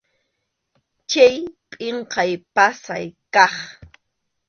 Chay pʼinqay pasay kaq.